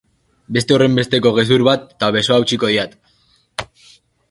Beste horrenbesteko gezur bat, eta besoa hautsiko diat!